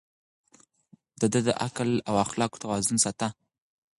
ده د عقل او اخلاقو توازن ساته.